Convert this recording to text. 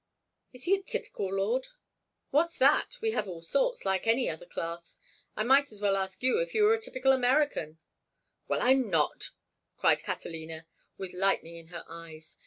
"Is he a typical lord?" "What's that? We have all sorts, like any other class. I might as well ask you if you were a typical American." "Well, I'm not!" cried Catalina, with lightning in her eyes.